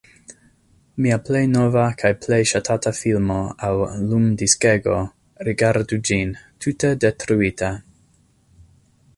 Mia plej nova kaj plej ŝatata filmo aŭ lumdiskego, rigardu ĝin: tute detruita.